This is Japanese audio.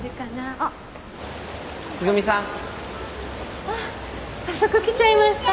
あっ早速来ちゃいました。